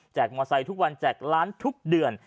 แจกมอเตอร์ไซค์ทุกวันแจกร้านทุกเดือน